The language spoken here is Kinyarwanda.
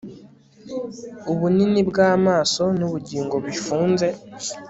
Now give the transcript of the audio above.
Ubunini bwamaso nubugingo bifunze